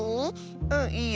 うんいいよ！